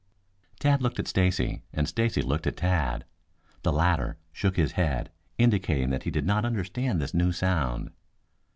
Tad looked at Stacy, and Stacy looked at Tad. The latter shook his head, indicating that he did not understand this new sound.